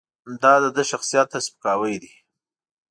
دا د ده شخصیت ته سپکاوی دی.